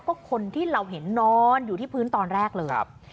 ก็คนที่เราเห็นนอนอยู่ที่พื้นตอนแรกเลย